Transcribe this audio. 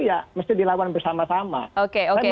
ya mesti dilawan bersama sama